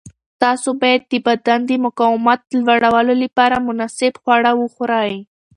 تاسو باید د بدن د مقاومت لوړولو لپاره مناسب خواړه وخورئ.